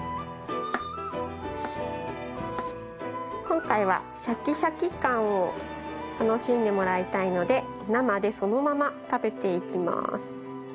今回はシャキシャキ感を楽しんでもらいたいので生でそのまま食べていきます。